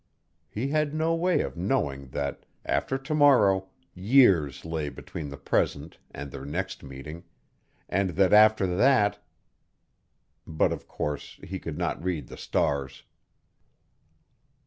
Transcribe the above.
He had no way of knowing that after to morrow years lay between the present and their next meeting and that after that but of course he could not read the stars.